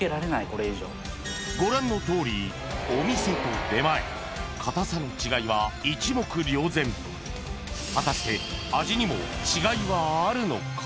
これ以上ご覧のとおりお店と出前かたさの違いは一目瞭然果たして味にも違いはあるのか？